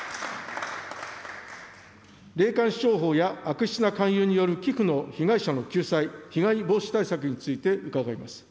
霊感商法や悪質な勧誘による寄付の被害者の救済、被害防止対策について伺います。